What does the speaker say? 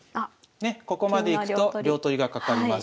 ねっここまでいくと両取りがかかります。